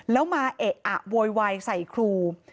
แล้วมาเอะอะโวยวายใส่ครู